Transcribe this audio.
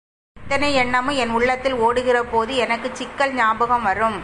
இத்தனை எண்ணமும் என் உள்ளத்தில் ஓடுகிறபோது, எனக்குச் சிக்கல் ஞாபகம் வரும்.